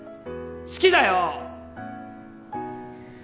好きだよ！！